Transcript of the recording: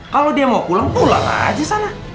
kalau dia mau pulang pulang aja sana